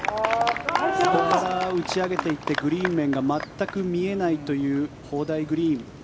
それから打ち上げていってグリーン面が全く見えないという砲台グリーン。